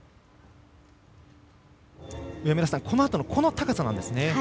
このあとの、この高さなんですね。